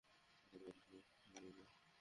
তোমার ত্যাগের সময় এসেছে, পূজা।